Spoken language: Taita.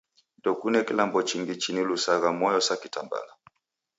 Ndokune kilambo chinilushagha moyo sa kitambala.